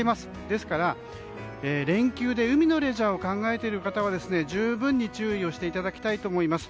ですから連休で海のレジャーを考えている方は十分に注意をしていただきたいと思います。